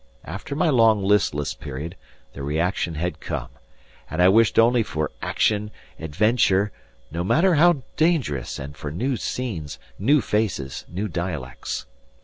After my long listless period the reaction had come, and I wished only for action, adventure no matter how dangerous; and for new scenes, new faces, new dialects.